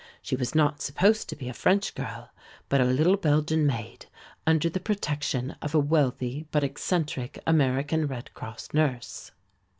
She was not supposed to be a French girl, but a little Belgian maid under the protection of a wealthy but eccentric American Red Cross nurse.